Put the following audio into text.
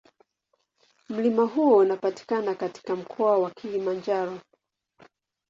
Mlima huo unapatikana katika Mkoa wa Kilimanjaro.